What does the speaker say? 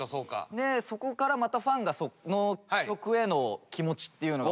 そこからまたファンがその曲への気持ちっていうのが。